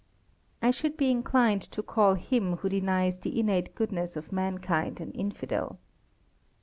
I should be inclined to call him who denies the innate goodness of mankind an "Infidel."